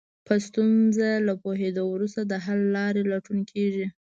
په ستونزه له پوهېدو وروسته د حل لارې لټون کېږي.